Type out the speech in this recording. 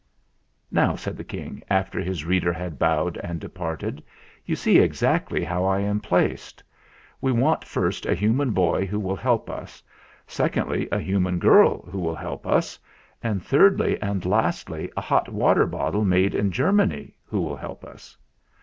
"Now," said the King, after his Reader had bowed and departed, "you see exactly how I am placed. We want first a human boy who will help us, secondly a human girl who will help us, and thirdly and lastly a hot water bottle made in Germany who will help us.